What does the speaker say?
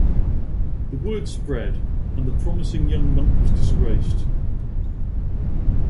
The word spread, and the promising young monk was disgraced.